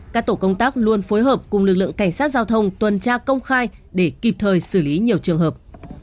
các tổ công tác luôn phối hợp cùng lực lượng cảnh sát giao thông tuần tra công khai để kịp thời xử lý nhiều trường hợp